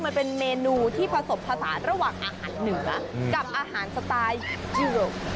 มันเป็นเมนูที่ผสมผสานระหว่างอาหารเหนือกับอาหารสไตล์เจือก